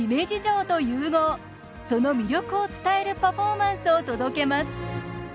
その魅力を伝えるパフォーマンスを届けます。